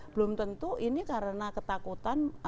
belum tentu ini karena ketakutan